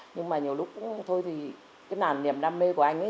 nhưng mà nhiều lúc thôi thì cái nản niềm đam mê của anh ấy